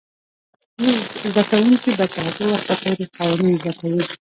زده کوونکې به تر هغه وخته پورې قوانین زده کوي.